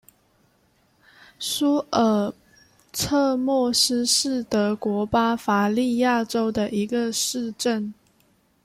苏尔策莫斯是德国巴伐利亚州的一个市镇。